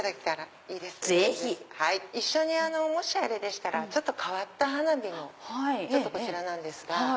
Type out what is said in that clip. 一緒にもしあれでしたらちょっと変わった花火も。こちらなんですが。